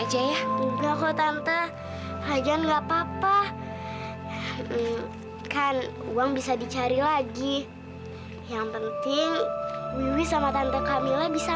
ya ya nggak kok tante aja nggak papa kan uang bisa dicari lagi yang penting sama tante kamila bisa